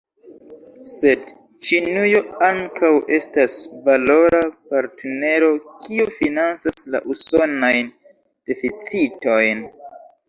Sed Ĉinujo ankaŭ estas valora partnero, kiu financas la usonajn deficitojn.